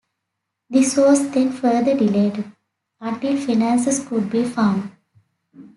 This was then further delayed until finances could be found.